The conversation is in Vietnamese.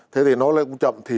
thế thì nó lại chậm